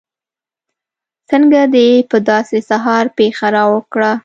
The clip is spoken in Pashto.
څنګه دې په داسې سهار پېښه راوکړه.